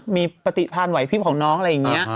มีปฏิพันธ์ไหวพริบของน้องอะไรอย่างนี้